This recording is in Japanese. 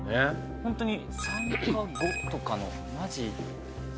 ホントに３か５とかのマジ